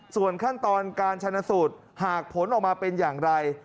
ส่วนขั้นตอนการชนะสูตรหากผลออกมาเป็นอย่างไร